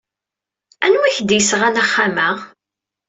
Anwa ay ak-d-yesɣan axxam-a?